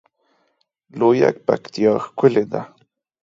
لویه پکتیا ښکلی ده